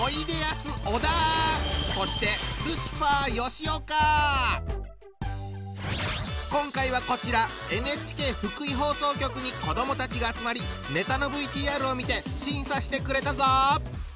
そして今回はこちらＮＨＫ福井放送局に子どもたちが集まりネタのＶＴＲを見て審査してくれたぞ！